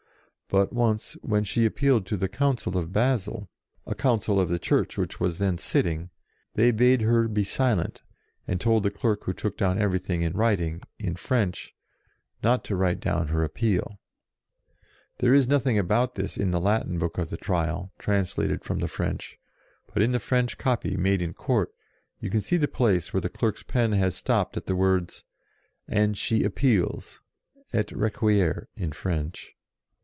But once, when she appealed to the Council of Basle, a Council of the Church which was then sitting, they bade her be silent, and told the clerk who took down everything in writing, in French, not to write down her appeal. There is nothing about this in the Latin book of the Trial, translated from the French, but in the French copy, made in court, you see the place where the clerk's pen has stopped at the words, "and she appeals" (Et requiert, in French).